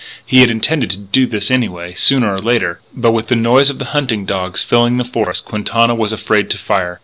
He had intended to do this anyway, sooner or later. But with the noise of the hunting dogs filling the forest, Quintana was afraid to fire.